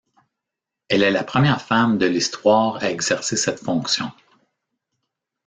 Elle est la première femme de l'histoire à exercer cette fonction.